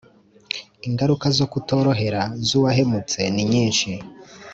. Ingaruka zo kutorohera zuwahemutse ni nyinshi